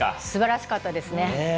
すばらしかったですね。